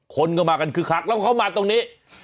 คนก็มากันคึกคักแล้วเขามาตรงนี้